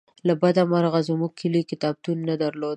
له بده مرغه زمونږ کلي کتابتون نه درلوده